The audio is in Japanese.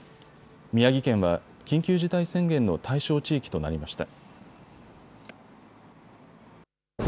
宮城県は緊急事態宣言の対象地域となりました。